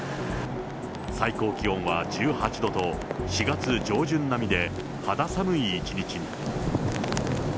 最高気温は１８度と、４月上旬並みで、肌寒い一日に。